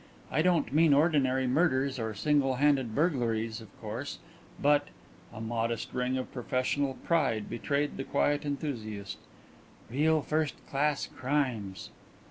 I don't mean ordinary murders or single handed burglaries, of course, but" a modest ring of professional pride betrayed the quiet enthusiast "real First Class Crimes."